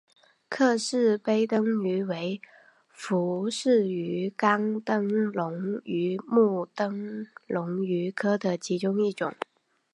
克氏背灯鱼为辐鳍鱼纲灯笼鱼目灯笼鱼科的其中一种。